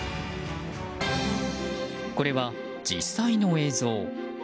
これは、実際の映像。